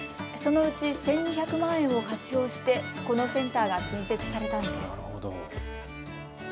そのうち１２００万円を活用してこのセンターが新設されたんです。